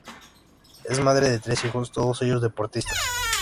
Es madre de tres hijos, todos ellos deportistas.